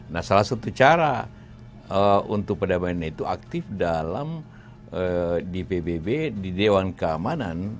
nah salah satu cara untuk perdamaian itu aktif dalam di pbb di dewan keamanan